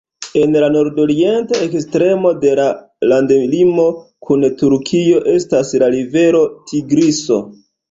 En la nordorienta ekstremo de la landlimo kun Turkio estas la rivero Tigriso.